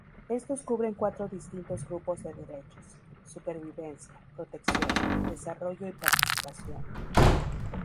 Estos cubren cuatro distintos grupos de derechos; supervivencia, protección, desarrollo y participación.